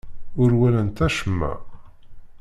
Ur walant acemma.